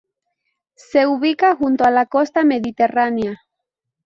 Se ubica junto a la costa mediterránea.